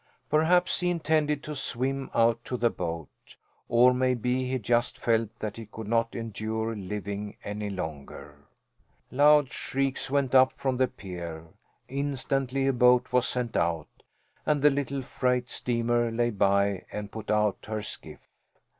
Perhaps he intended to swim out to the boat. Or maybe he just felt that he could not endure living any longer. Loud shrieks went up from the pier. Instantly a boat was sent out, and the little freight steamer lay by and put out her skiff.